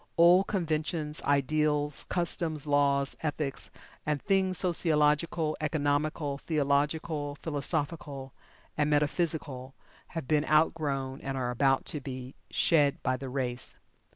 Old conventions, ideals, customs, laws, ethics, and things sociological, economical, theological, philosophical, and metaphysical have been outgrown, and are about to be "shed" by the race.